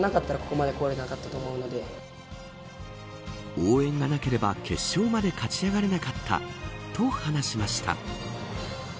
応援がなければ決勝まで勝ち上がれなかったと話しました。